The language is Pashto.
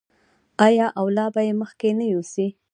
آیا او لا به یې مخکې نه یوسي؟